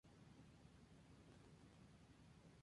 Esta especie crece mejor en un suelo bien drenado.